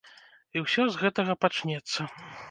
І ўсё з гэтага пачнецца.